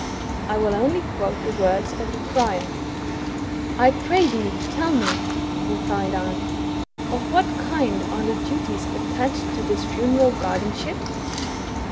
I will only quote the words of the crier :—" I pray thee, tell me," replied I, "of what kind are the duties attached to this funeral guardianship?"